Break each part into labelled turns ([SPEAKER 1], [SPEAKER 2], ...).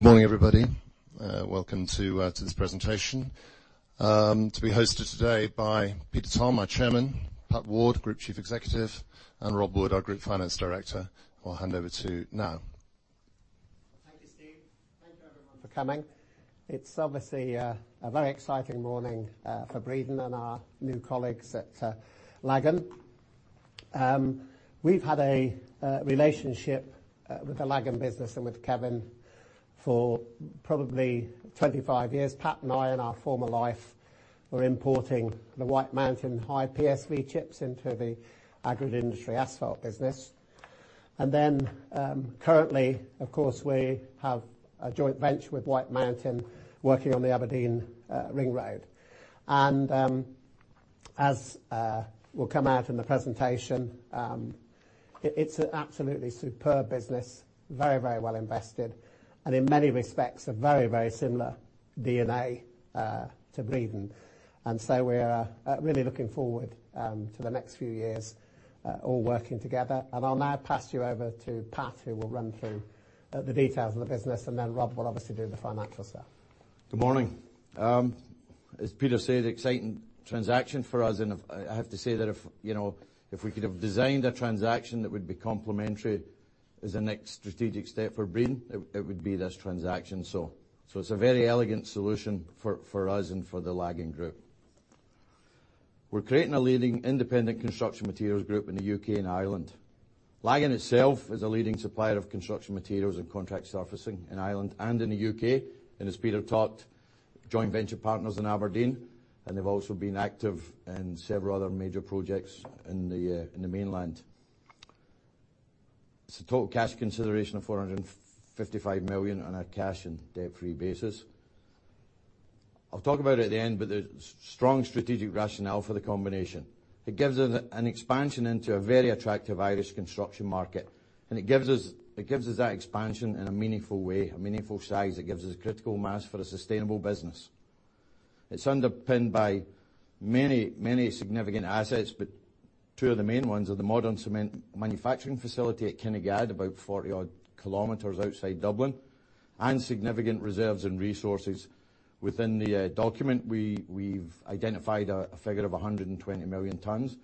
[SPEAKER 1] Morning, everybody. Welcome to this presentation to be hosted today by Peter Tom, our Chairman, Pat Ward, Group Chief Executive, and Rob Wood, our Group Finance Director, who I'll hand over to now.
[SPEAKER 2] Well, thank you, Steve. Thank you, everyone, for coming. It's obviously a very exciting morning for Breedon and our new colleagues at Lagan. We've had a relationship with the Lagan business and with Kevin for probably 25 years. Pat and I, in our former life, were importing the Whitemountain high PSV chips into the aggregate industry asphalt business. Currently, of course, we have a joint venture with Whitemountain working on the Aberdeen ring road. As will come out in the presentation, it's an absolutely superb business. Very, very well invested, and in many respects, a very, very similar DNA to Breedon. So we are really looking forward to the next few years all working together. I'll now pass you over to Pat, who will run through the details of the business, and then Rob will obviously do the financial stuff.
[SPEAKER 3] Good morning. As Peter said, exciting transaction for us. I have to say that if we could have designed a transaction that would be complementary as the next strategic step for Breedon, it would be this transaction. It's a very elegant solution for us and for the Lagan Group. We're creating a leading independent construction materials group in the U.K. and Ireland. Lagan itself is a leading supplier of construction materials and contract surfacing in Ireland and in the U.K., as Peter talked, joint venture partners in Aberdeen. They've also been active in several other major projects in the mainland. It's a total cash consideration of 455 million on a cash and debt-free basis. I'll talk about it at the end, there's strong strategic rationale for the combination. It gives us an expansion into a very attractive Irish construction market. It gives us that expansion in a meaningful way, a meaningful size. It gives us a critical mass for a sustainable business. It's underpinned by many significant assets, but two of the main ones are the modern cement manufacturing facility at Kinnegad, about 40 odd km outside Dublin, and significant reserves in resources. Within the document, we've identified a figure of 120 million tons.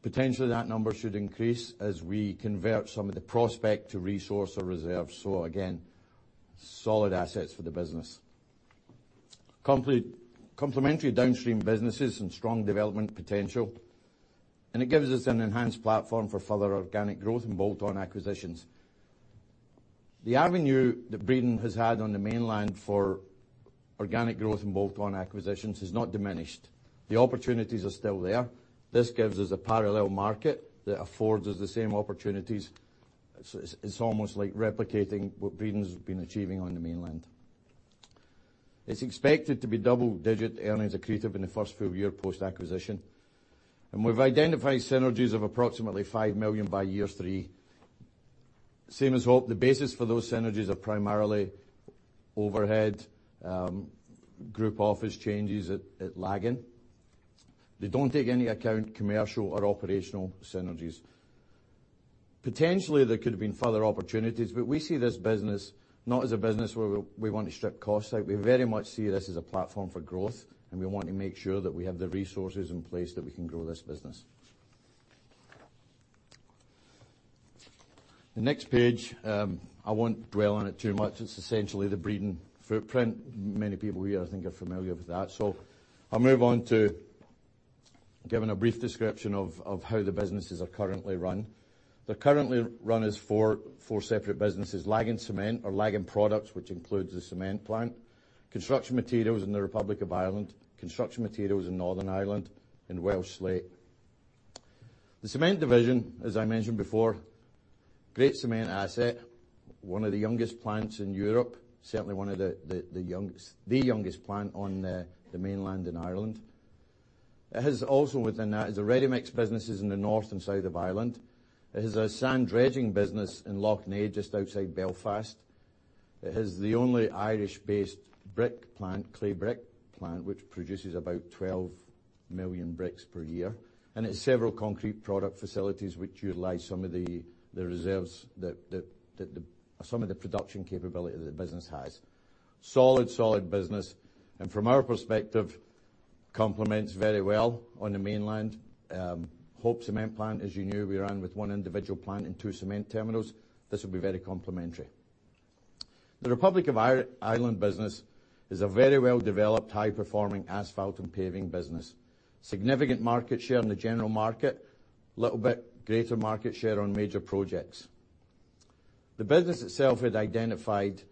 [SPEAKER 3] Potentially, that number should increase as we convert some of the prospect to resource or reserves. Again, solid assets for the business. Complementary downstream businesses and strong development potential. It gives us an enhanced platform for further organic growth and bolt-on acquisitions. The avenue that Breedon has had on the mainland for organic growth and bolt-on acquisitions is not diminished. The opportunities are still there. This gives us a parallel market that affords us the same opportunities. It's almost like replicating what Breedon's been achieving on the mainland. It's expected to be double-digit earnings accretive in the first full year post-acquisition. We've identified synergies of approximately 5 million by year three. Same as Hope, the basis for those synergies are primarily overhead, group office changes at Lagan. They don't take any account commercial or operational synergies. Potentially, there could have been further opportunities, but we see this business not as a business where we want to strip costs out. We very much see this as a platform for growth, and we want to make sure that we have the resources in place that we can grow this business. The next page. I won't dwell on it too much. It's essentially the Breedon footprint. Many people here I think are familiar with that. I'll move on to giving a brief description of how the businesses are currently run. They're currently run as four separate businesses, Lagan Cement or Lagan Products, which includes the cement plant, Construction Materials in the Republic of Ireland, Construction Materials in Northern Ireland, and Welsh Slate. The cement division, as I mentioned before, great cement asset, one of the youngest plants in Europe, certainly one of the youngest, the youngest plant on the mainland in Ireland. It has also within that is the ready-mix businesses in the north and south of Ireland. It has a sand dredging business in Lough Neagh, just outside Belfast. It has the only Irish-based brick plant, clay brick plant, which produces about 12 million bricks per year. It's several concrete product facilities which utilize some of the reserves that the production capability that the business has. Solid business, and from our perspective, complements very well on the mainland. Hope Cement plant, as you knew, we ran with one individual plant and two cement terminals. This will be very complementary. The Republic of Ireland business is a very well-developed, high-performing asphalt and paving business. Significant market share in the general market, little bit greater market share on major projects. The business itself had identified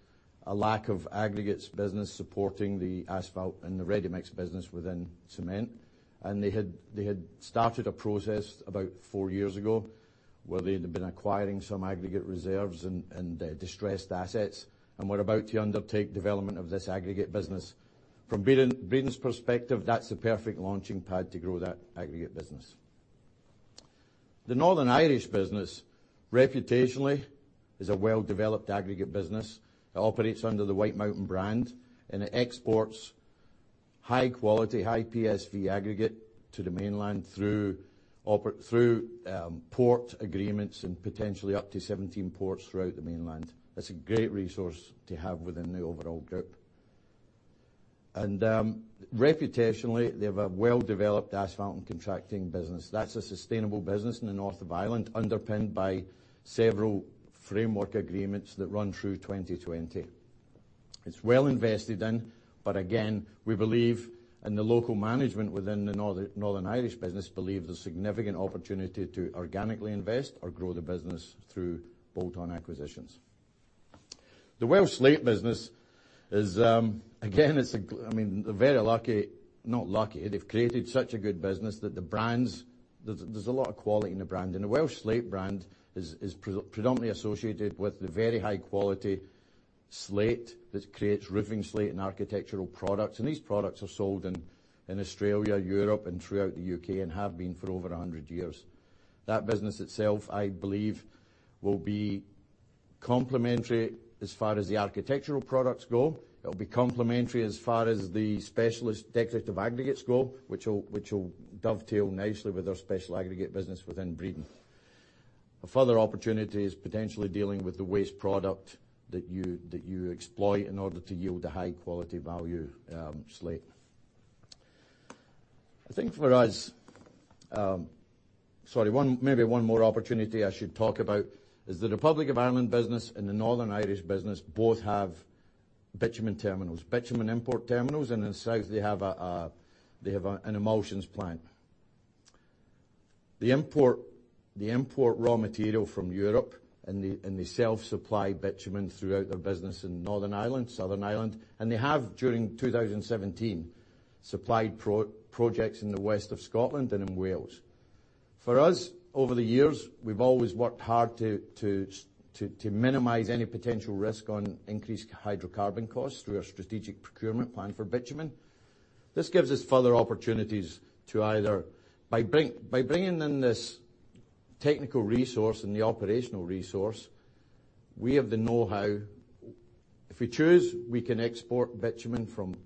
[SPEAKER 3] a lack of aggregates business supporting the asphalt and the ready-mix business within cement. They had started a process about four years ago where they'd been acquiring some aggregate reserves and distressed assets and were about to undertake development of this aggregate business. From Breedon's perspective, that's the perfect launching pad to grow that aggregate business. The Northern Irish business, reputationally, is a well-developed aggregate business that operates under the Whitemountain brand. It exports high quality, high PSV aggregate to the mainland through port agreements and potentially up to 17 ports throughout the mainland. That's a great resource to have within the overall group. Reputationally, they have a well-developed asphalt and contracting business. That's a sustainable business in the north of Ireland, underpinned by several framework agreements that run through 2020. It's well invested in. Again, we believe, and the local management within the Northern Irish business believe there's significant opportunity to organically invest or grow the business through bolt-on acquisitions. The Welsh Slate business is, again, they're very lucky. Not lucky. They've created such a good business that the brands, there's a lot of quality in the brand. The Welsh Slate brand is predominantly associated with the very high quality slate that creates roofing slate and architectural products. These products are sold in Australia, Europe and throughout the U.K., and have been for over 100 years. That business itself, I believe, will be complementary as far as the architectural products go. It'll be complementary as far as the specialist decorative aggregates go, which will dovetail nicely with our special aggregate business within Breedon. A further opportunity is potentially dealing with the waste product that you exploit in order to yield a high quality value slate. Maybe one more opportunity I should talk about is the Republic of Ireland business and the Northern Irish business both have bitumen terminals. Bitumen import terminals, and in the south they have an emulsions plant. They import raw material from Europe, they self-supply bitumen throughout their business in Northern Ireland, Republic of Ireland, and they have during 2017 supplied projects in the west of Scotland and in Wales. For us, over the years, we've always worked hard to minimize any potential risk on increased hydrocarbon costs through our strategic procurement plan for bitumen. This gives us further opportunities to either, by bringing in this technical resource and the operational resource, we have the knowhow. If we choose, we can export bitumen from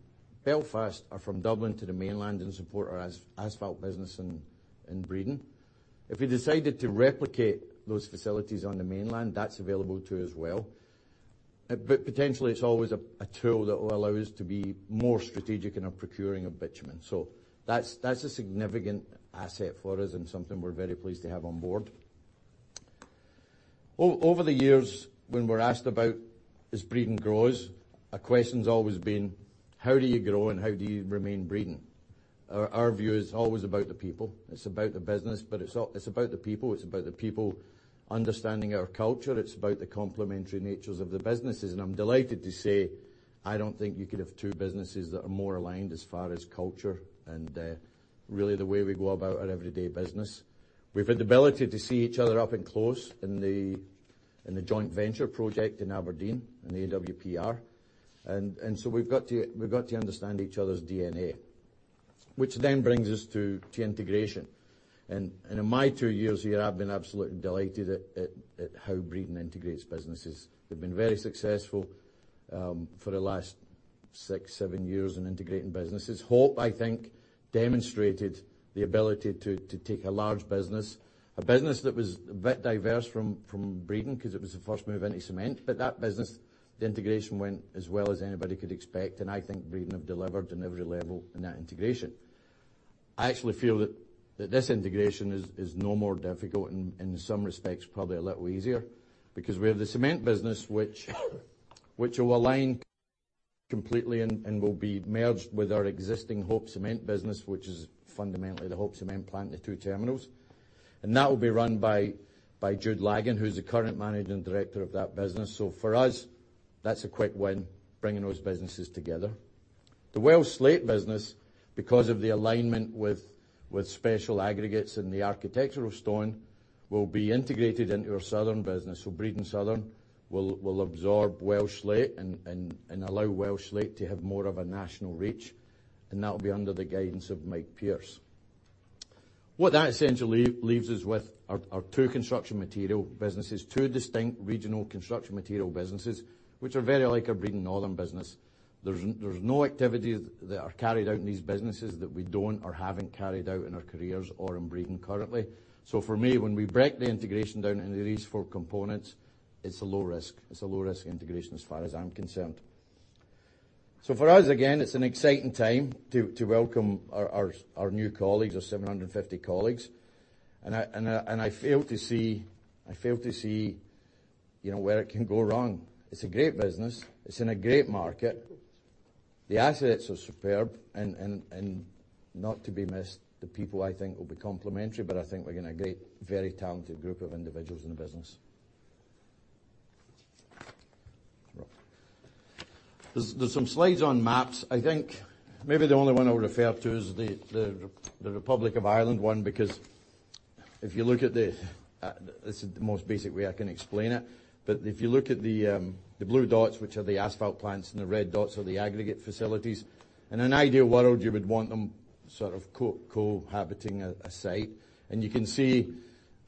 [SPEAKER 3] Belfast or from Dublin to the mainland and support our asphalt business in Breedon. If we decided to replicate those facilities on the mainland, that's available to us as well. Potentially, it's always a tool that will allow us to be more strategic in our procuring of bitumen. That's a significant asset for us and something we're very pleased to have on board. Over the years, when we're asked about as Breedon grows, a question's always been, how do you grow and how do you remain Breedon? Our view is it's always about the people. It's about the business, but it's about the people. It's about the people understanding our culture. It's about the complementary natures of the businesses. I'm delighted to say, I don't think you could have two businesses that are more aligned as far as culture and really the way we go about our everyday business. We've had the ability to see each other up and close in the joint venture project in Aberdeen, in the AWPR. So we've got to understand each other's DNA. Which then brings us to integration. In my two years here, I've been absolutely delighted at how Breedon integrates businesses. They've been very successful for the last six, seven years in integrating businesses. Hope, I think, demonstrated the ability to take a large business, a business that was a bit diverse from Breedon because it was the first move into cement. That business, the integration went as well as anybody could expect, and I think Breedon have delivered in every level in that integration. I actually feel that this integration is no more difficult, in some respects, probably a little easier because we have the cement business which will align completely and will be merged with our existing Hope Cement business, which is fundamentally the Hope Cement plant and the two terminals. That will be run by Jude Lagan, who's the current managing director of that business. For us, that's a quick win, bringing those businesses together. The Welsh Slate business, because of the alignment with special aggregates and the architectural stone, will be integrated into our Southern business. Breedon Southern will absorb Welsh Slate and allow Welsh Slate to have more of a national reach, and that will be under the guidance of Mike Pearce. What that essentially leaves us with are two construction material businesses, two distinct regional construction material businesses which are very like our Breedon Northern business. There are no activities that are carried out in these businesses that we do not or have not carried out in our careers or in Breedon currently. For me, when we break the integration down into these four components, it is a low risk. It is a low risk integration as far as I am concerned. For us, again, it is an exciting time to welcome our new colleagues, our 750 colleagues. I fail to see where it can go wrong. It is a great business. It is in a great market. The assets are superb, not to be missed, the people I think will be complementary, but I think we are getting a great, very talented group of individuals in the business. There are some slides on maps. I think maybe the only one I would refer to is the Republic of Ireland one because if you look at the This is the most basic way I can explain it. If you look at the blue dots, which are the asphalt plants, and the red dots are the aggregate facilities. In an ideal world, you would want them sort of cohabiting a site. You can see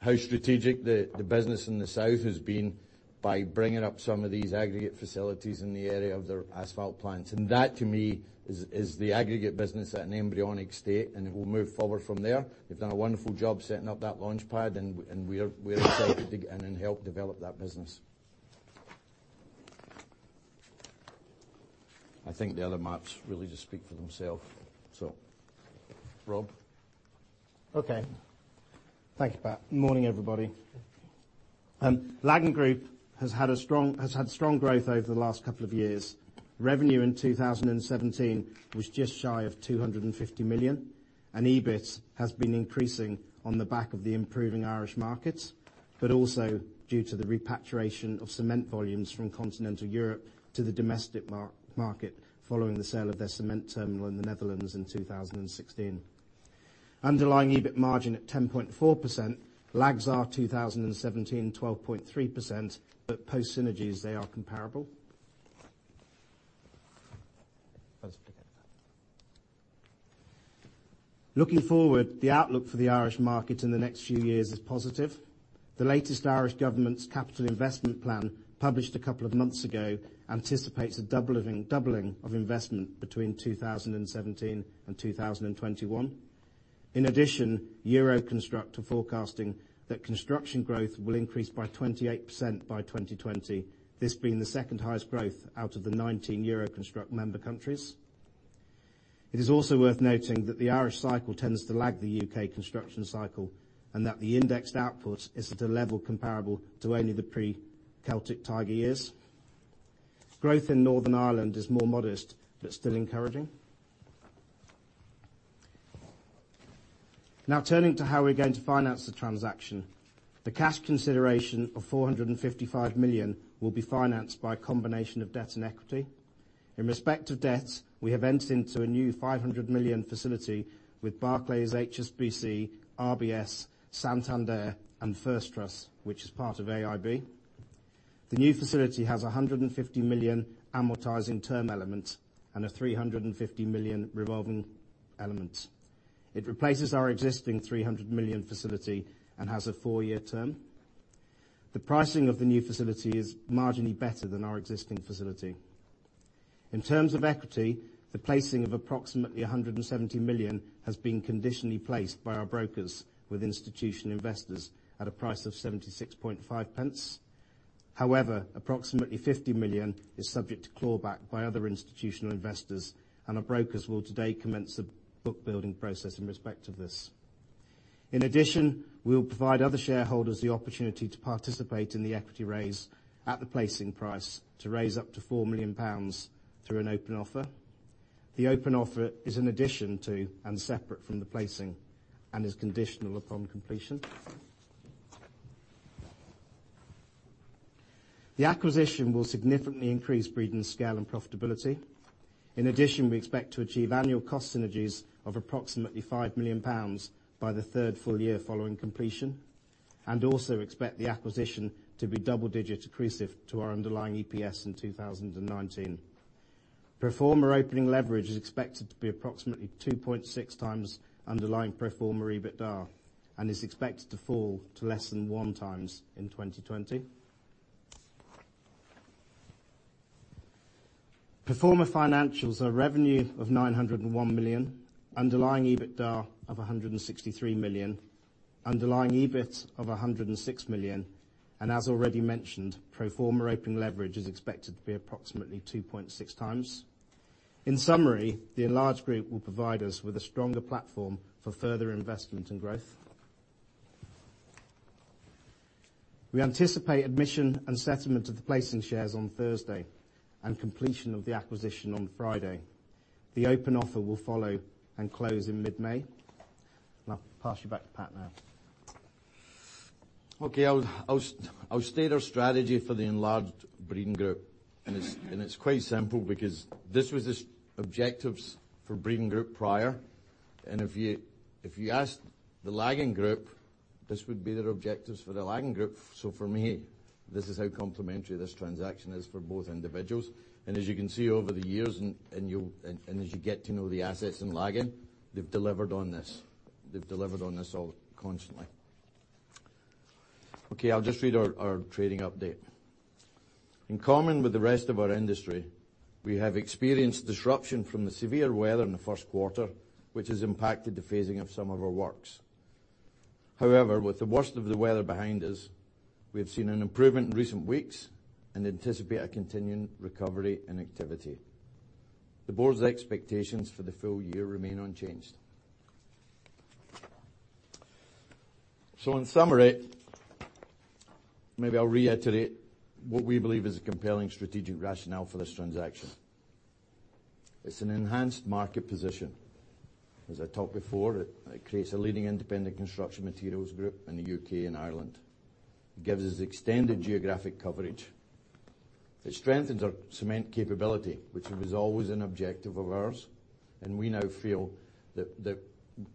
[SPEAKER 3] how strategic the business in the south has been by bringing up some of these aggregate facilities in the area of their asphalt plants. That, to me, is the aggregate business at an embryonic state, and it will move forward from there. They have done a wonderful job setting up that launchpad, we are excited to get in and help develop that business. I think the other maps really just speak for themselves. Rob?
[SPEAKER 4] Okay. Thank you, Pat. Morning, everybody. Lagan Group has had strong growth over the last couple of years. Revenue in 2017 was just shy of 250 million, EBIT has been increasing on the back of the improving Irish market, also due to the repatriation of cement volumes from continental Europe to the domestic market following the sale of their cement terminal in the Netherlands in 2016. Underlying EBIT margin at 10.4%. Lagan's are 2017, 12.3%, post synergies, they are comparable.
[SPEAKER 3] I'll just forget that.
[SPEAKER 4] Looking forward, the outlook for the Irish market in the next few years is positive. The latest Irish government's capital investment plan, published a couple of months ago, anticipates a doubling of investment between 2017 and 2021. Euroconstruct are forecasting that construction growth will increase by 28% by 2020, this being the second highest growth out of the 19 Euroconstruct member countries. It is also worth noting that the Irish cycle tends to lag the U.K. construction cycle, and that the indexed output is at a level comparable to only the pre-Celtic Tiger years. Growth in Northern Ireland is more modest but still encouraging. Turning to how we're going to finance the transaction. The cash consideration of 455 million will be financed by a combination of debt and equity. In respect of debt, we have entered into a new 500 million facility with Barclays, HSBC, RBS, Santander, and First Trust, which is part of AIB. The new facility has a 150 million amortizing term element and a 350 million revolving element. It replaces our existing 300 million facility and has a four-year term. The pricing of the new facility is marginally better than our existing facility. In terms of equity, the placing of approximately 170 million has been conditionally placed by our brokers with institutional investors at a price of 0.765. Approximately 50 million is subject to clawback by other institutional investors, our brokers will today commence the book-building process in respect of this. We will provide other shareholders the opportunity to participate in the equity raise at the placing price to raise up to 4 million pounds through an open offer. The open offer is an addition to and separate from the placing and is conditional upon completion. The acquisition will significantly increase Breedon's scale and profitability. We expect to achieve annual cost synergies of approximately 5 million pounds by the third full year following completion, and also expect the acquisition to be double-digit accretive to our underlying EPS in 2019. Pro forma opening leverage is expected to be approximately 2.6x underlying pro forma EBITDA and is expected to fall to less than 1x in 2020. Pro forma financials are revenue of 901 million, underlying EBITDA of 163 million, underlying EBIT of 106 million, as already mentioned, pro forma opening leverage is expected to be approximately 2.6x. The enlarged group will provide us with a stronger platform for further investment and growth. We anticipate admission and settlement of the placing shares on Thursday and completion of the acquisition on Friday. The open offer will follow and close in mid-May. I'll pass you back to Pat now.
[SPEAKER 3] Okay. I'll state our strategy for the enlarged Breedon Group. It's quite simple because this was the objectives for Breedon Group prior, and if you asked the Lagan Group, this would be their objectives for the Lagan Group. For me, this is how complementary this transaction is for both individuals. As you can see over the years, and as you get to know the assets in Lagan, they've delivered on this. They've delivered on this constantly. Okay. I'll just read our trading update. In common with the rest of our industry, we have experienced disruption from the severe weather in the first quarter, which has impacted the phasing of some of our works. However, with the worst of the weather behind us, we have seen an improvement in recent weeks and anticipate a continuing recovery in activity. The board's expectations for the full year remain unchanged. In summary, maybe I'll reiterate what we believe is a compelling strategic rationale for this transaction. It's an enhanced market position. As I talked before, it creates a leading independent construction materials group in the U.K. and Ireland. It gives us extended geographic coverage. It strengthens our cement capability, which was always an objective of ours, and we now feel that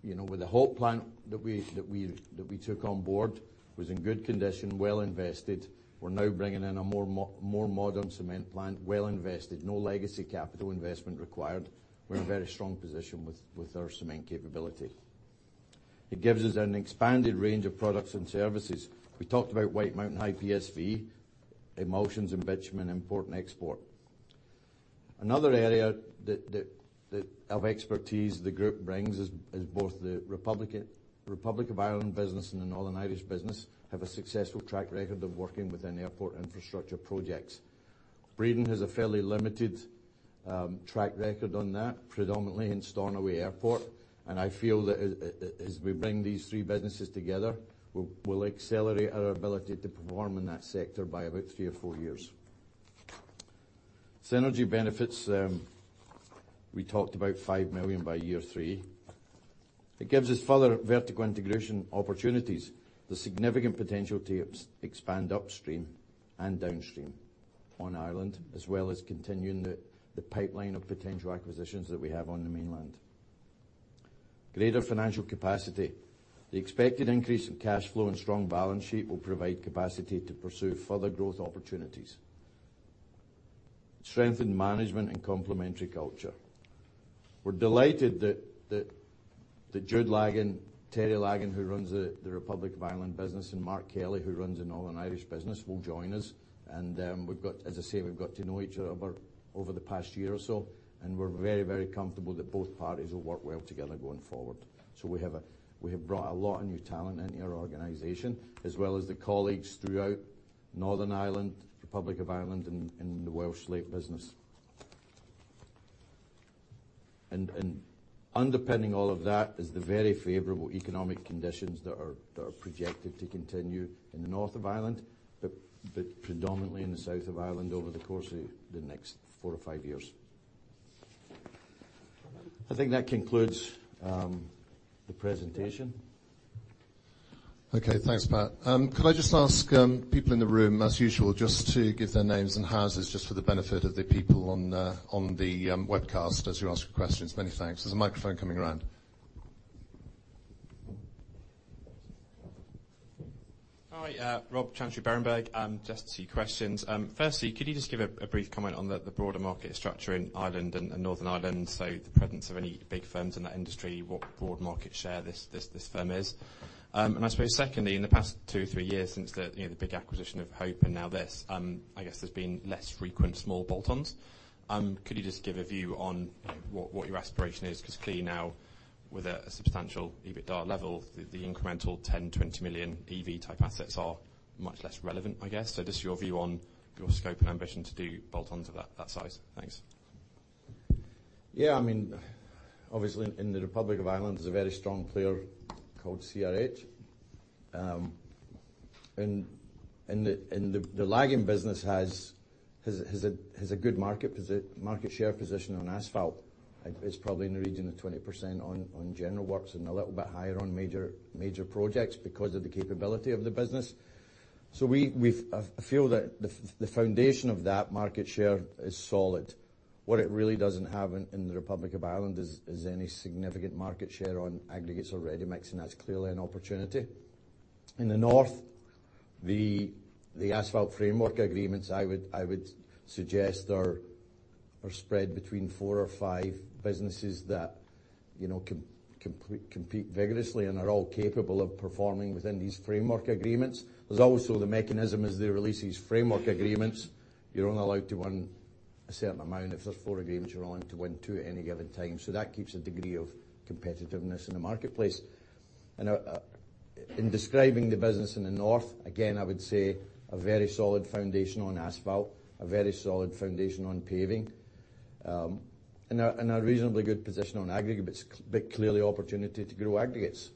[SPEAKER 3] with the Hope plant that we took on board, was in good condition, well invested. We're now bringing in a more modern cement plant, well invested, no legacy capital investment required. We're in a very strong position with our cement capability. It gives us an expanded range of products and services. We talked about Whitemountain High PSV, emulsions, bitumen, import, and export. Another area of expertise the group brings is both the Republic of Ireland business and the Northern Irish business have a successful track record of working within airport infrastructure projects. Breedon has a fairly limited track record on that, predominantly in Stornoway Airport. I feel that as we bring these three businesses together, we'll accelerate our ability to perform in that sector by about three or four years. Synergy benefits, we talked about 5 million by year three. It gives us further vertical integration opportunities, the significant potential to expand upstream and downstream on Ireland, as well as continuing the pipeline of potential acquisitions that we have on the mainland. Greater financial capacity. The expected increase in cash flow and strong balance sheet will provide capacity to pursue further growth opportunities. Strengthen management and complementary culture. We're delighted that Jude Lagan, Terry Lagan, who runs the Republic of Ireland business, and Mark Kelly, who runs the Northern Irish business, will join us. As I say, we've got to know each other over the past year or so, and we're very, very comfortable that both parties will work well together going forward. We have brought a lot of new talent into our organization, as well as the colleagues throughout Northern Ireland, Republic of Ireland, and the Welsh Slate business. Underpinning all of that is the very favorable economic conditions that are projected to continue in the north of Ireland, but predominantly in the south of Ireland over the course of the next four or five years. I think that concludes the presentation.
[SPEAKER 1] Okay. Thanks, Pat. Could I just ask people in the room, as usual, just to give their names and firms just for the benefit of the people on the webcast, as you ask your questions. Many thanks. There's a microphone coming around.
[SPEAKER 5] Hi, Rob Chantry, Berenberg. Just two questions. Firstly, could you just give a brief comment on the broader market structure in Ireland and Northern Ireland, so the presence of any big firms in that industry, what broad market share this firm is. I suppose secondly, in the past two, three years since the big acquisition of Hope and now this, I guess there's been less frequent small bolt-ons. Could you just give a view on what your aspiration is? Because clearly now with a substantial EBITDA level, the incremental 10, 20 million EV type assets are much less relevant, I guess. Just your view on your scope and ambition to do bolt-ons of that size. Thanks.
[SPEAKER 3] Yeah, obviously, in the Republic of Ireland, there's a very strong player called CRH. The Lagan business has a good market share position on asphalt. It's probably in the region of 20% on general works and a little bit higher on major projects because of the capability of the business. I feel that the foundation of that market share is solid. What it really doesn't have in the Republic of Ireland is any significant market share on aggregates or ready-mix, and that's clearly an opportunity. In the north, the asphalt framework agreements, I would suggest are spread between four or five businesses that compete vigorously and are all capable of performing within these framework agreements. There's also the mechanism as they release these framework agreements, you're only allowed to win a certain amount. If there's four agreements, you're only allowed to win two at any given time. That keeps a degree of competitiveness in the marketplace. In describing the business in the North, again, I would say a very solid foundation on asphalt, a very solid foundation on paving, and a reasonably good position on aggregate, but clearly opportunity to grow aggregates.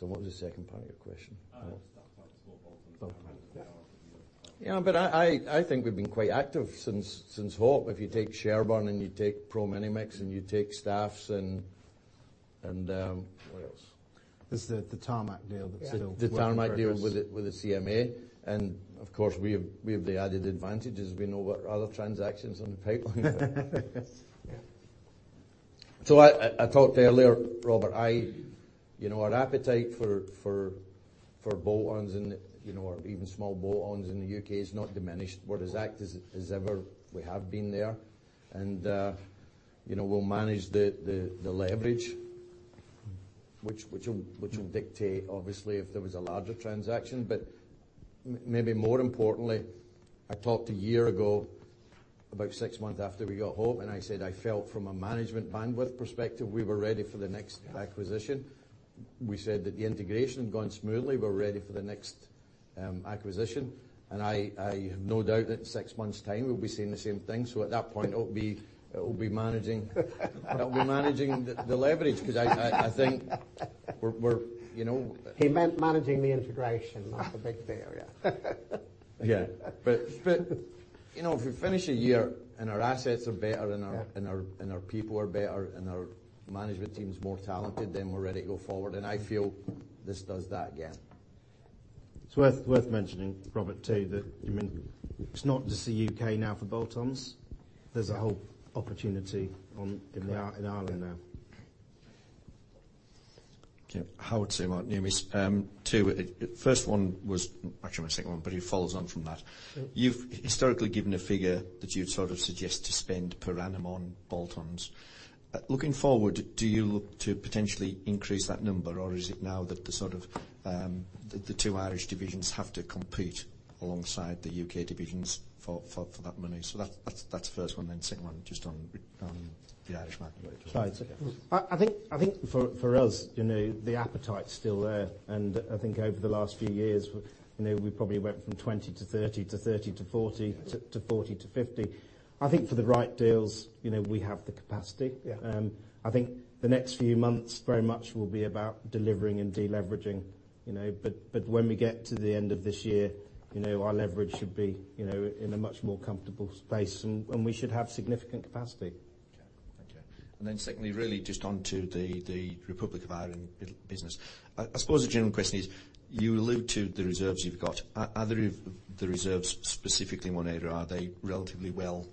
[SPEAKER 3] What was the second part of your question?
[SPEAKER 5] I just asked about small bolt-ons.
[SPEAKER 3] I think we've been quite active since Hope. If you take Sherburn and you take Pro Mini Mix and you take Staffs and what else?
[SPEAKER 4] There's the Tarmac deal that's still.
[SPEAKER 3] The Tarmac deal with the CMA. Of course, we have the added advantage as we know what other transactions are in the pipeline.
[SPEAKER 4] Yes.
[SPEAKER 3] I talked earlier, Robert, our appetite for bolt-ons or even small bolt-ons in the U.K. is not diminished. We're as active as ever we have been there. We'll manage the leverage which will dictate, obviously, if there was a larger transaction. Maybe more importantly, I talked a year ago, about six months after we got Hope, and I said I felt from a management bandwidth perspective, we were ready for the next acquisition. We said that the integration had gone smoothly, we're ready for the next acquisition. I have no doubt that in six months' time, we'll be saying the same thing. At that point, it'll be managing the leverage because I think we're-
[SPEAKER 4] He meant managing the integration, not the big bear.
[SPEAKER 3] Yeah. If we finish a year and our assets are better and our people are better and our management team is more talented, we're ready to go forward. I feel this does that again.
[SPEAKER 4] It's worth mentioning, Robert, too, that it's not just the U.K. now for bolt-ons. There's a whole opportunity in Ireland now.
[SPEAKER 6] Okay. Howard Seymour, Numis. Two, first one was, actually my second one, but it follows on from that. You've historically given a figure that you'd sort of suggest to spend per annum on bolt-ons. Looking forward, do you look to potentially increase that number, or is it now that the sort of the two Irish divisions have to compete alongside the U.K. divisions for that money? That's the first one, second one just on the Irish market.
[SPEAKER 4] I think for us, the appetite's still there. I think over the last few years, we probably went from 20 million to 30 million to 30 million to 40 million to 40 million to 50 million. I think for the right deals, we have the capacity.
[SPEAKER 6] Yeah.
[SPEAKER 4] I think the next few months very much will be about delivering and deleveraging. When we get to the end of this year, our leverage should be in a much more comfortable space, we should have significant capacity.
[SPEAKER 6] Okay. Thank you. Secondly, really just onto the Republic of Ireland business. I suppose the general question is, you allude to the reserves you've got. Are the reserves specifically one area? Are they relatively well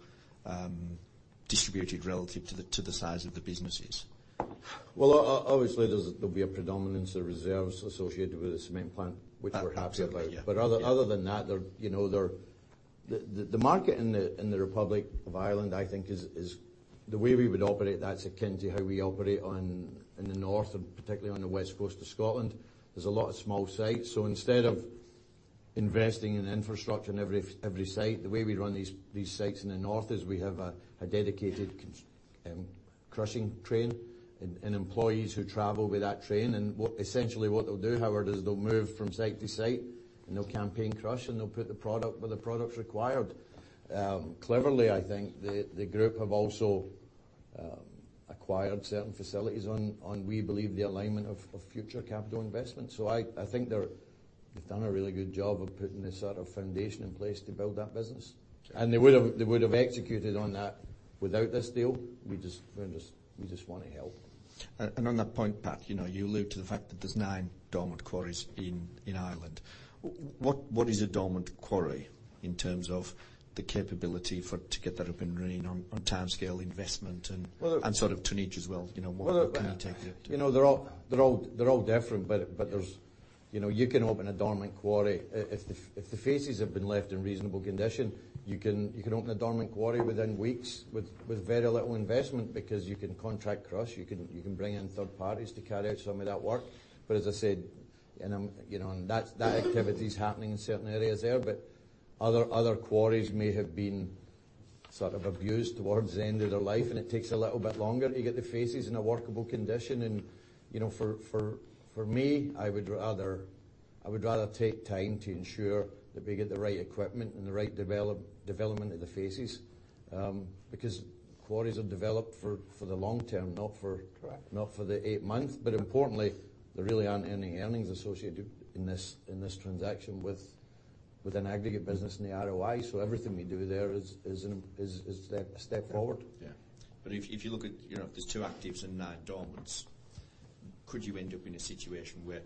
[SPEAKER 6] distributed relative to the size of the businesses?
[SPEAKER 3] Well, obviously, there'll be a predominance of reserves associated with the cement plant, which we're happy about.
[SPEAKER 6] Yeah.
[SPEAKER 3] Other than that, the market in the Republic of Ireland, I think the way we would operate that's akin to how we operate in the north and particularly on the west coast of Scotland. There's a lot of small sites. Instead of investing in infrastructure in every site, the way we run these sites in the north is we have a dedicated crushing train and employees who travel with that train. Essentially what they'll do, Howard, is they'll move from site to site, and they'll campaign crush, and they'll put the product where the product's required. Cleverly, I think, the group have also acquired certain facilities on, we believe, the alignment of future capital investment. I think they've done a really good job of putting the sort of foundation in place to build that business.
[SPEAKER 6] Sure.
[SPEAKER 3] They would have executed on that without this deal. We just want to help.
[SPEAKER 6] On that point, Pat, you allude to the fact that there's nine dormant quarries in Ireland. What is a dormant quarry in terms of the capability to get that up and running on timescale investment, and sort of tonnage as well? What can it take you up to?
[SPEAKER 3] They're all different, but you can open a dormant quarry. If the faces have been left in reasonable condition, you can open a dormant quarry within weeks with very little investment because you can contract crush. You can bring in third parties to carry out some of that work. As I said, that activity is happening in certain areas there. Other quarries may have been sort of abused towards the end of their life, and it takes a little bit longer to get the faces in a workable condition. For me, I would rather take time to ensure that we get the right equipment and the right development of the faces, because quarries are developed for the long term, not for-
[SPEAKER 6] Correct
[SPEAKER 3] Not for the eight months. Importantly, there really aren't any earnings associated in this transaction with an aggregate business in the ROI. Everything we do there is a step forward.
[SPEAKER 6] Yeah. If you look at there's two actives and nine dormants, could you end up in a situation where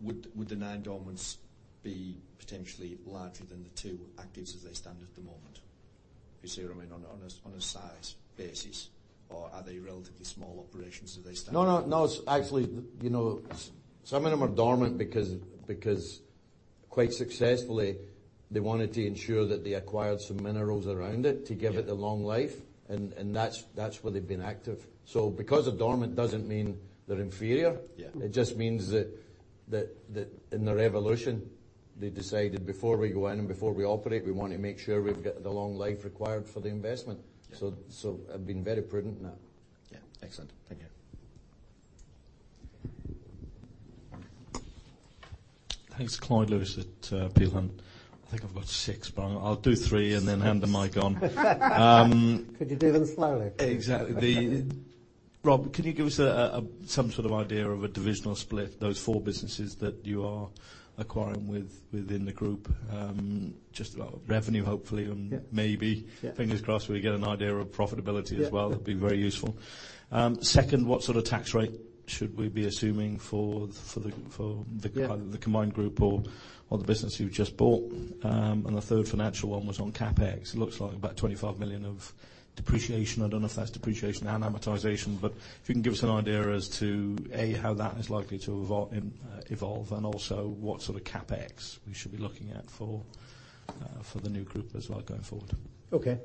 [SPEAKER 6] would the nine dormants be potentially larger than the two actives as they stand at the moment? If you see what I mean, on a size basis? Are they relatively small operations as they stand?
[SPEAKER 3] No. Actually, some of them are dormant because quite successfully, they wanted to ensure that they acquired some minerals around it to give it a long life.
[SPEAKER 6] Yeah.
[SPEAKER 3] That's where they've been active. Because they're dormant, doesn't mean they're inferior.
[SPEAKER 6] Yeah.
[SPEAKER 3] It just means that in their evolution, they decided before we go in and before we operate, we want to make sure we've got the long life required for the investment.
[SPEAKER 6] Yeah.
[SPEAKER 3] Have been very prudent in that.
[SPEAKER 6] Yeah. Excellent. Thank you.
[SPEAKER 7] Thanks. Clyde Lewis at Peel Hunt. I think I've got six, but I'll do three and then hand the mic on.
[SPEAKER 4] Could you do them slowly?
[SPEAKER 7] Exactly. Rob, can you give us some sort of idea of a divisional split, those four businesses that you are acquiring within the group? Just revenue, hopefully, and maybe.
[SPEAKER 4] Yeah
[SPEAKER 7] fingers crossed, we get an idea of profitability as well.
[SPEAKER 4] Yeah.
[SPEAKER 7] That would be very useful. Second, what sort of tax rate should we be assuming for the
[SPEAKER 4] Yeah
[SPEAKER 7] combined group or the business you have just bought? The third financial one was on CapEx. It looks like about 25 million of depreciation. I don't know if that is depreciation and amortization. If you can give us an idea as to, A, how that is likely to evolve, and also what sort of CapEx we should be looking at for the new group as well going forward.
[SPEAKER 4] Okay.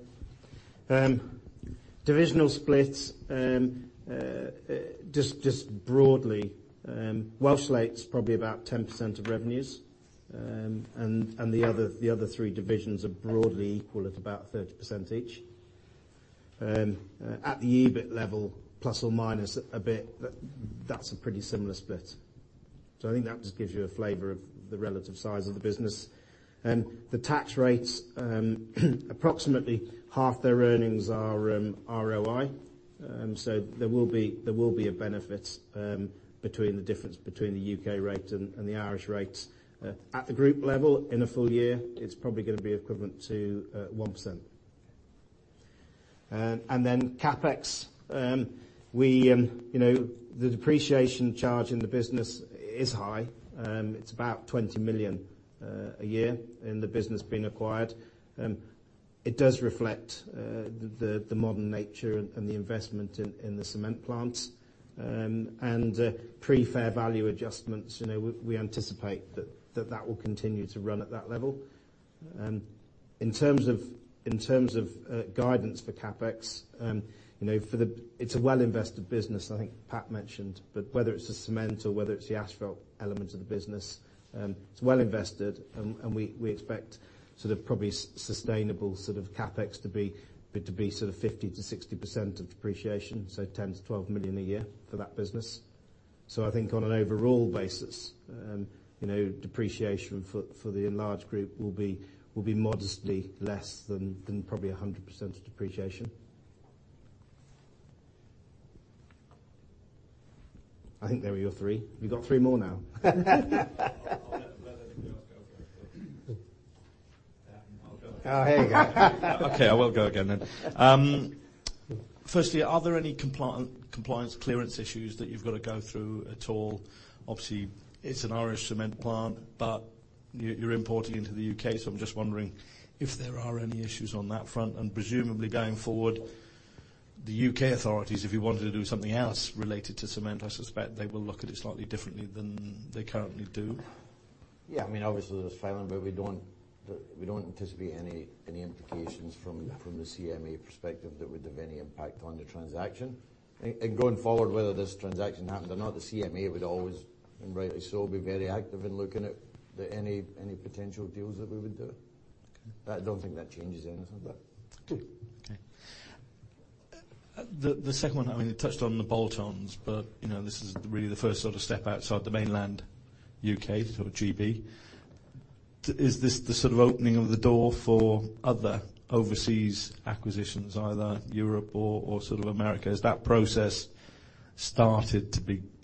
[SPEAKER 4] Divisional splits, just broadly. Welsh Slate's probably about 10% of revenues. The other three divisions are broadly equal at about 30% each. At the EBIT level, plus or minus a bit, that is a pretty similar split. I think that just gives you a flavor of the relative size of the business. The tax rates, approximately half their earnings are ROI. There will be a benefit between the difference between the U.K. rate and the Irish rate. At the group level, in a full year, it is probably going to be equivalent to 1%. Then CapEx. The depreciation charge in the business is high. It is about 20 million a year in the business being acquired. It does reflect the modern nature and the investment in the cement plants. Pre-fair value adjustments, we anticipate that that will continue to run at that level. In terms of guidance for CapEx, it's a well-invested business. I think Pat mentioned, whether it's the cement or whether it's the asphalt element of the business, it's well invested, and we expect sort of probably sustainable sort of CapEx to be sort of 50%-60% of depreciation, so 10 million-12 million a year for that business. I think on an overall basis, depreciation for the enlarged group will be modestly less than probably 100% of depreciation. I think they were your three. You got three more now.
[SPEAKER 7] I'll let anybody else go first. I'll go again.
[SPEAKER 4] Here you go.
[SPEAKER 7] Okay, I will go again. Firstly, are there any compliance clearance issues that you've got to go through at all? Obviously, it's an Irish cement plant, but you're importing into the U.K., so I'm just wondering if there are any issues on that front. Presumably going forward, the U.K. authorities, if you wanted to do something else related to cement, I suspect they will look at it slightly differently than they currently do.
[SPEAKER 3] Yeah. Obviously there's filing, we don't anticipate any implications from the CMA perspective that would have any impact on the transaction. Going forward, whether this transaction happened or not, the CMA would always, and rightly so, be very active in looking at any potential deals that we would do.
[SPEAKER 7] Okay.
[SPEAKER 3] I don't think that changes anything.
[SPEAKER 7] Okay. The second one, it touched on the bolt-ons, this is really the first sort of step outside the mainland U.K., sort of GB. Is this the sort of opening of the door for other overseas acquisitions, either Europe or sort of America? Has that process started?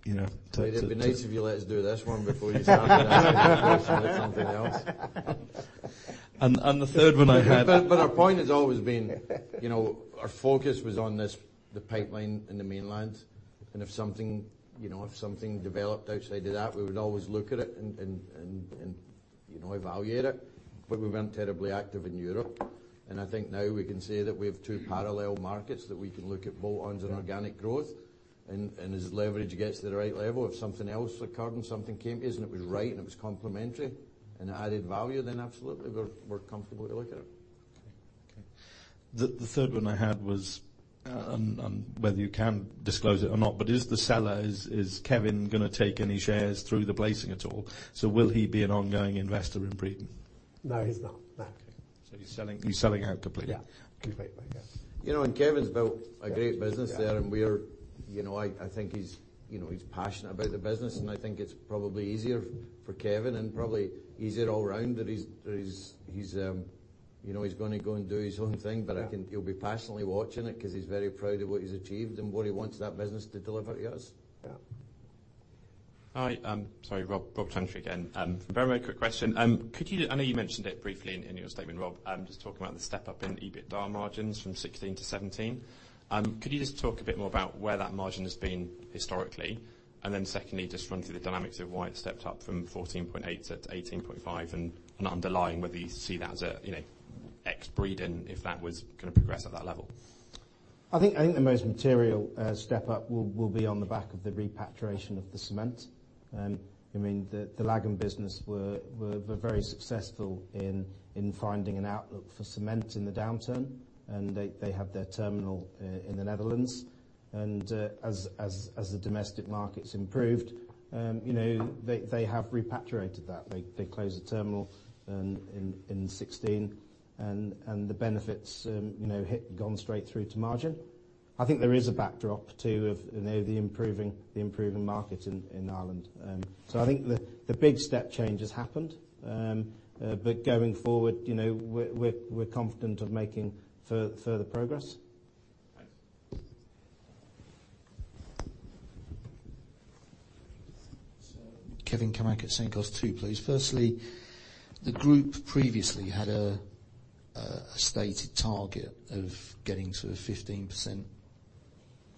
[SPEAKER 3] It'd be nice if you let us do this one before something else.
[SPEAKER 7] The third one I had.
[SPEAKER 3] Our point has always been, our focus was on this, the pipeline in the mainland. If something developed outside of that, we would always look at it and evaluate it. We weren't terribly active in Europe. I think now we can say that we have two parallel markets that we can look at bolt-ons and organic growth. As leverage gets to the right level, if something else occurred and something came in and it was right and it was complementary and added value, then absolutely, we're comfortable to look at it.
[SPEAKER 7] The third one I had was on whether you can disclose it or not, is the seller, is Kevin going to take any shares through the placing at all? Will he be an ongoing investor in Breedon?
[SPEAKER 3] No, he's not. No.
[SPEAKER 7] Okay. He's selling out completely?
[SPEAKER 3] Yeah. Completely.
[SPEAKER 7] Okay.
[SPEAKER 3] Kevin's built a great business there.
[SPEAKER 4] Yeah.
[SPEAKER 3] I think he's passionate about the business, and I think it's probably easier for Kevin and probably easier all around that he's going to go and do his own thing.
[SPEAKER 4] Yeah.
[SPEAKER 3] I think he'll be passionately watching it because he's very proud of what he's achieved and what he wants that business to deliver he has.
[SPEAKER 4] Yeah.
[SPEAKER 5] Hi, sorry, Rob Chantry again. Very, very quick question. I know you mentioned it briefly in your statement, Rob, just talking about the step up in EBITDA margins from 2016 to 2017. Could you just talk a bit more about where that margin has been historically? Then secondly, just run through the dynamics of why it stepped up from 14.8 to 18.5, and underlying whether you see that as a ex-Breedon, if that was going to progress at that level.
[SPEAKER 4] I think the most material step up will be on the back of the repatriation of the cement. The Lagan business were very successful in finding an outlet for cement in the downturn, and they have their terminal in the Netherlands. As the domestic markets improved, they have repatriated that. They closed the terminal in 2016, and the benefit's gone straight through to margin. I think there is a backdrop, too, of the improving market in Ireland. I think the big step change has happened. Going forward, we're confident of making further progress.
[SPEAKER 5] Thanks.
[SPEAKER 8] Kevin Cammack at Cenkos. Two, please. Firstly, the group previously had a stated target of getting sort of 15%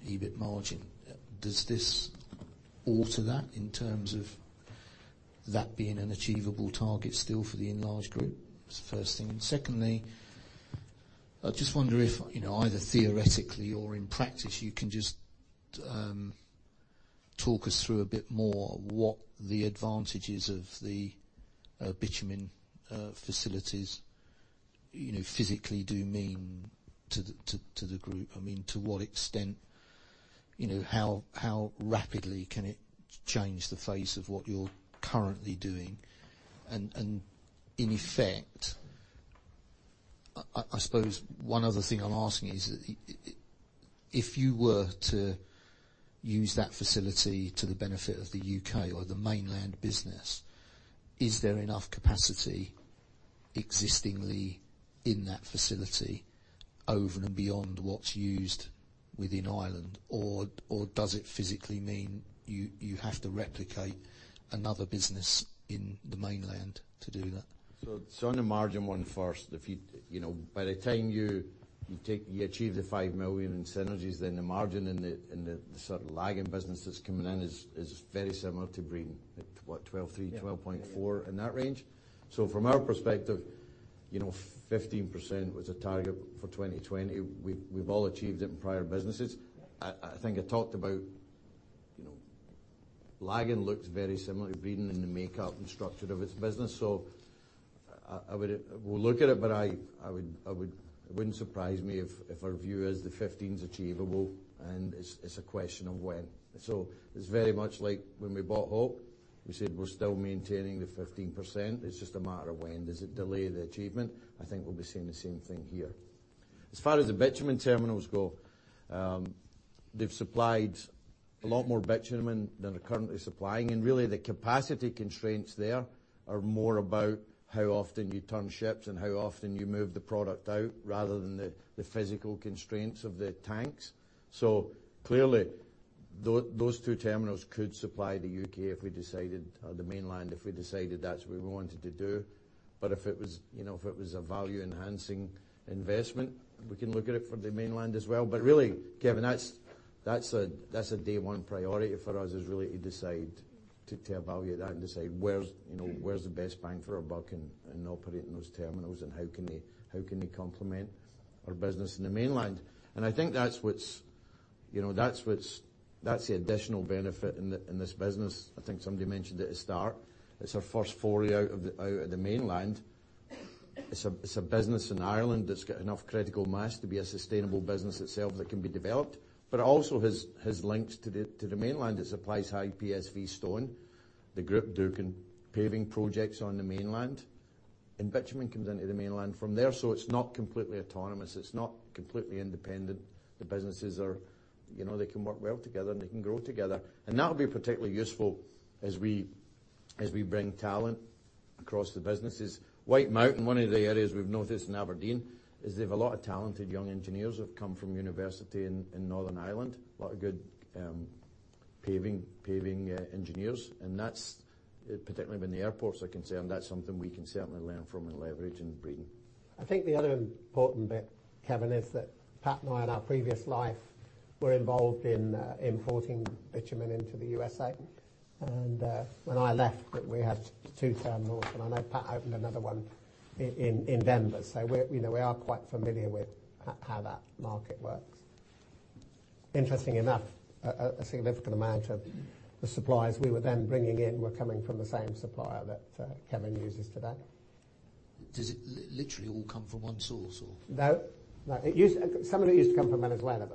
[SPEAKER 8] EBIT margin. Does this alter that in terms of that being an achievable target still for the enlarged group? That's the first thing. Secondly, I just wonder if either theoretically or in practice, you can just talk us through a bit more what the advantages of the bitumen facilities physically do mean to the group. To what extent, how rapidly can it change the face of what you're currently doing? In effect, I suppose one other thing I'm asking is if you were to use that facility to the benefit of the U.K. or the mainland business, is there enough capacity existingly in that facility over and beyond what's used within Ireland, or does it physically mean you have to replicate another business in the mainland to do that?
[SPEAKER 3] On the margin one first, by the time you achieve the 5 million in synergies, then the margin in the sort of Lagan business that's coming in is very similar to Breedon at what, 12.3-
[SPEAKER 4] Yeah
[SPEAKER 3] 12.4%, in that range. From our perspective, 15% was a target for 2020. We've all achieved it in prior businesses. I think I talked about Lagan looks very similar to Breedon in the makeup and structure of its business. We'll look at it, but it wouldn't surprise me if our view is the 15% is achievable and it's a question of when. It's very much like when we bought Hope, we said we're still maintaining the 15%. It's just a matter of when. Does it delay the achievement? I think we'll be seeing the same thing here. As far as the bitumen terminals go, they've supplied a lot more bitumen than they're currently supplying. Really, the capacity constraints there are more about how often you turn ships and how often you move the product out, rather than the physical constraints of the tanks. Clearly, those two terminals could supply the U.K. if we decided, or the mainland, if we decided that's what we wanted to do. If it was a value-enhancing investment, we can look at it for the mainland as well. Really, Kevin, that's a day one priority for us, is really to evaluate that and decide where's the best bang for our buck in operating those terminals and how can they complement our business in the mainland. I think that's the additional benefit in this business. I think somebody mentioned at the start, it's our first foray out of the mainland. It's a business in Ireland that's got enough critical mass to be a sustainable business itself that can be developed, but also has links to the mainland. It supplies high PSV stone. The group do paving projects on the mainland. Bitumen comes into the mainland from there, so it's not completely autonomous. It's not completely independent. The businesses can work well together, and they can grow together. That'll be particularly useful as we bring talent across the businesses. Whitemountain, one of the areas we've noticed in Aberdeen, is they have a lot of talented young engineers who have come from university in Northern Ireland. A lot of good paving engineers. Particularly when the airports are concerned, that's something we can certainly learn from and leverage in Breedon.
[SPEAKER 2] I think the other important bit, Kevin, is that Pat and I, in our previous life, were involved in importing bitumen into the USA. When I left, we had 2 terminals. I know Pat opened another one in Denver. We are quite familiar with how that market works. Interesting enough, a significant amount of the supplies we were then bringing in were coming from the same supplier that Kevin uses today.
[SPEAKER 8] Does it literally all come from one source or?
[SPEAKER 2] No. Some of it used to come from Venezuela.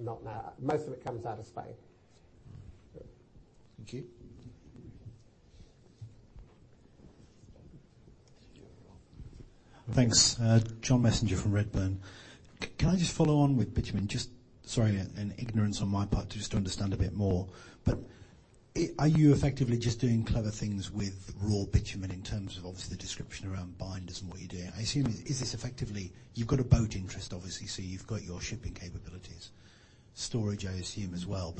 [SPEAKER 2] Not now. Most of it comes out of Spain.
[SPEAKER 8] Thank you.
[SPEAKER 9] Thanks. John Messenger from Redburn. Can I just follow on with bitumen? Sorry, an ignorance on my part, just to understand a bit more. Are you effectively just doing clever things with raw bitumen in terms of obviously the description around binders and what you're doing? I assume, is this effectively you've got a boat interest, obviously, so you've got your shipping capabilities. Storage, I assume, as well.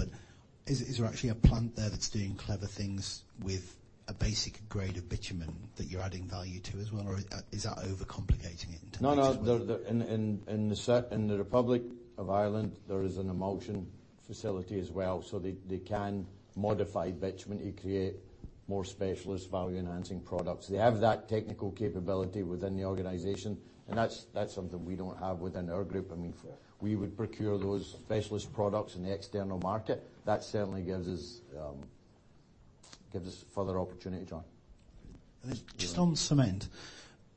[SPEAKER 9] Is there actually a plant there that's doing clever things with a basic grade of bitumen that you're adding value to as well, or is that overcomplicating it?
[SPEAKER 3] No, no. In the Republic of Ireland, there is an emulsion facility as well, so they can modify bitumen to create more specialist value-enhancing products. They have that technical capability within the organization. That's something we don't have within our group. We would procure those specialist products in the external market. That certainly gives us further opportunity, John.
[SPEAKER 9] Just on cement,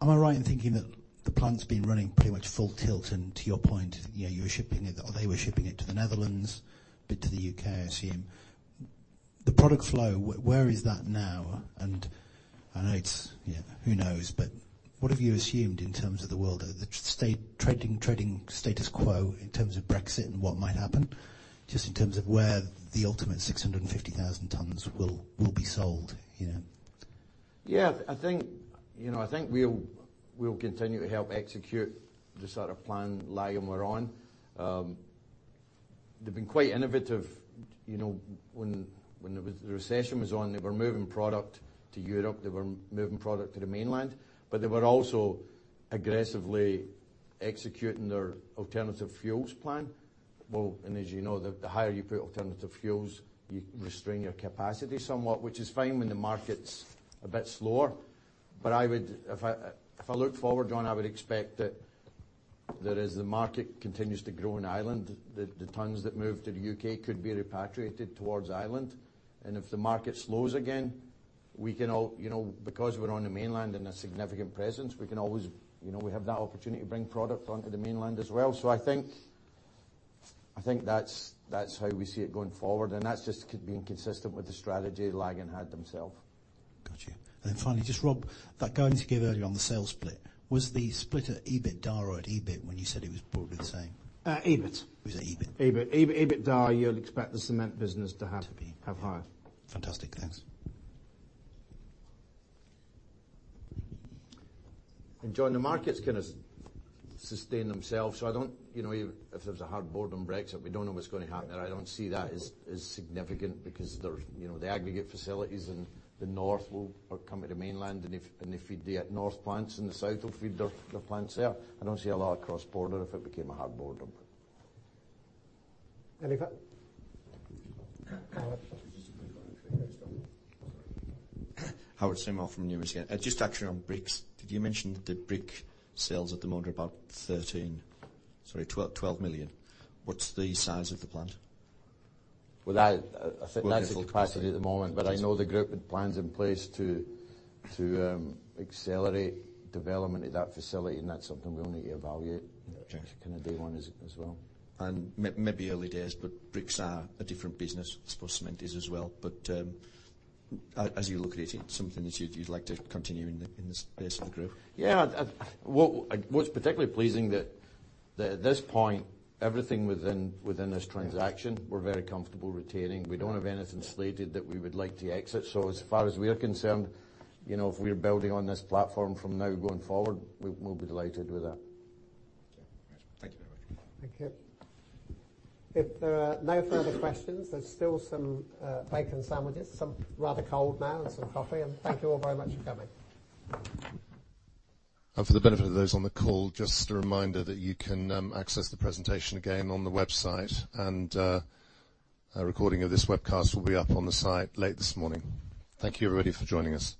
[SPEAKER 9] am I right in thinking that the plant's been running pretty much full tilt, to your point, you were shipping it, or they were shipping it to the Netherlands, a bit to the U.K., I assume. The product flow, where is that now? I know it's who knows, but what have you assumed in terms of the world, the trading status quo in terms of Brexit and what might happen, just in terms of where the ultimate 650,000 tons will be sold?
[SPEAKER 3] Yeah, I think we'll continue to help execute the sort of plan Lagan were on. They've been quite innovative. When the recession was on, they were moving product to Europe, they were moving product to the mainland, they were also aggressively executing their alternative fuels plan. As you know, the higher you put alternative fuels, you restrain your capacity somewhat, which is fine when the market's a bit slower. If I look forward, John, I would expect that as the market continues to grow in Ireland, the tons that move to the U.K. could be repatriated towards Ireland. If the market slows again, because we're on the mainland and a significant presence, we have that opportunity to bring product onto the mainland as well. I think that's how we see it going forward. That's just being consistent with the strategy Lagan had themself.
[SPEAKER 9] Got you. Then finally, just Rob, that guidance you gave earlier on the sales split, was the split at EBITDA or at EBIT when you said it was broadly the same?
[SPEAKER 4] EBIT. You said EBIT. EBIT. EBITDA, you'd expect the cement business to have.
[SPEAKER 9] To be.
[SPEAKER 4] have higher. Fantastic. Thanks.
[SPEAKER 3] John, the markets kind of sustain themselves, so if there's a hard border on Brexit, we don't know what's going to happen there. I don't see that as significant because the aggregate facilities in the North will come to the Mainland, and they feed the north plants, and the South will feed the plants there. I don't see a lot of cross-border if it became a hard border.
[SPEAKER 2] Any further? Howard.
[SPEAKER 6] Just to confirm. Howard Seymour from Numis. Just actually on bricks. Did you mention the brick sales at the moment are about 13 million, sorry, 12 million. What's the size of the plant?
[SPEAKER 3] Well, that's the capacity at the moment. I know the group had plans in place to accelerate development of that facility, that's something we'll need to evaluate.
[SPEAKER 6] Got you.
[SPEAKER 3] kind of day one as well.
[SPEAKER 6] Maybe early days, bricks are a different business. I suppose cement is as well. As you look at it's something that you'd like to continue in this space of the group?
[SPEAKER 3] Yeah. What's particularly pleasing that at this point, everything within this transaction, we're very comfortable retaining. We don't have anything slated that we would like to exit. As far as we are concerned, if we're building on this platform from now going forward, we'll be delighted with that.
[SPEAKER 6] Thank you.
[SPEAKER 2] Thank you very much. If there are no further questions, there's still some bacon sandwiches, some rather cold now, and some coffee, thank you all very much for coming.
[SPEAKER 1] For the benefit of those on the call, just a reminder that you can access the presentation again on the website. A recording of this webcast will be up on the site late this morning. Thank you, everybody, for joining us.